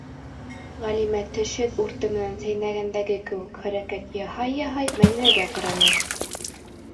- Ғәлимә, тешһеҙ урты менән сәйнәгәндәге кеүек хәрәкәт яһай-яһай, Мәҙинәгә ҡараны.